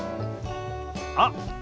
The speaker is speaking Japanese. あっ！